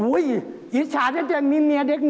โอ๊ยอิจฉาวถ้าแจงกับมีเมียเด็กน้อย